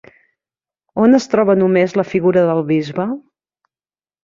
On es troba només la figura del bisbe?